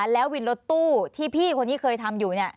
แล้ววินรถตู้ที่พี่คนที่เคยทำอยู่